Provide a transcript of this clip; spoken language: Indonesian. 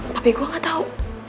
tapi gue gak tau